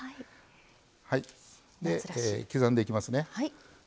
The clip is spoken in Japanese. はい刻んでいきますね。